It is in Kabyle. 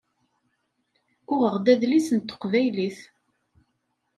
Uɣeɣ-d adlis n teqbaylit.